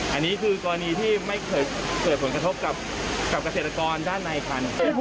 อันนี้คือกรณีที่ไม่เคยเกิดผลกระทบกับเกษตรกรด้านในค่ะ